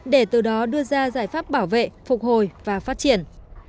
để từ đó đưa ra giải pháp bảo vệ phục hồi và phát triển